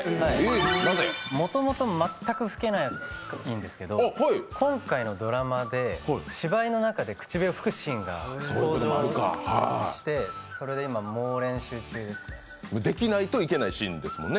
もともと全く吹けないんですけど、今回のドラマで芝居の中で口笛を吹くシーンが登場して、それで今、猛練習中ですね。